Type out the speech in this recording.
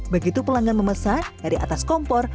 begitu pelanggan memesan dari atas kompor